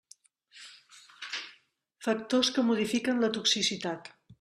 Factors que modifiquen la toxicitat.